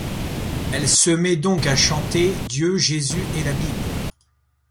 Elle se met donc à chanter Dieu, Jésus et la Bible.